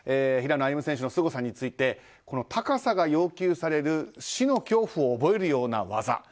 平野歩夢選手のすごさについて高さが要求される死の恐怖を覚えるような技。